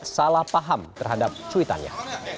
salah paham terhadap cuitannya